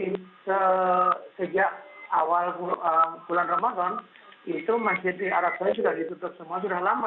jadi sejak awal bulan ramadan itu masjid di arab saudi sudah ditutup semua